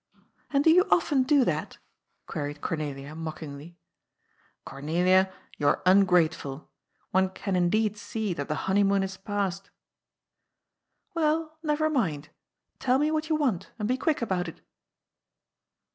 And do you often do that?" queried Gomelia mock ingly. ^* Gomelia, you are ungrateful. One can indeed see that the honeymoon is past." " WeU, never mind. Tell me what you want, and be quick about it."